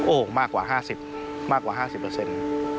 โอ้มากกว่า๕๐เปอร์เซ็นต์